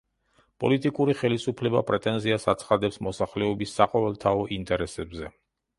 პოლიტიკური ხელისუფლება პრეტენზიას აცხადებს მოსახლეობის საყოველთაო ინტერესებზე.